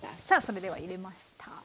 さあそれでは入れました。